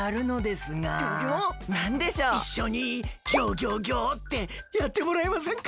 いっしょに「ギョギョギョ！」ってやってもらえませんか？